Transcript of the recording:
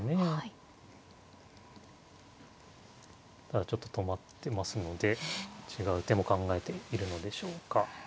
ただちょっと止まってますので違う手も考えているのでしょうか。